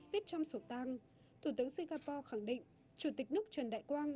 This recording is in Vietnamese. viết trong sổ tang thủ tướng singapore khẳng định chủ tịch nước trần đại quang